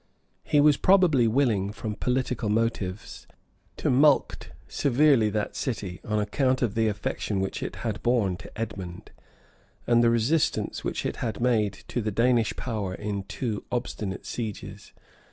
He was probably willing, from political motives, to mulct severely that city, on account of the affection which it had borne to Edmond, and the resistance which it had made to the Danish power in two obstinate sieges.